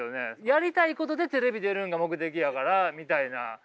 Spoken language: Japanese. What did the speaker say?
やりたいことでテレビ出るのが目的やからみたいな。